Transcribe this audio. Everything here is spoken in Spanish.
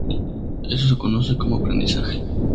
Esto se conoce como aprendizaje.